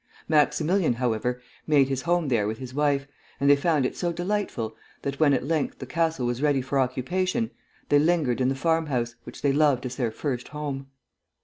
Maximilian, however, made his home there with his wife, and they found it so delightful that when at length the castle was ready for occupation, they lingered in the farmhouse, which they loved as their first home.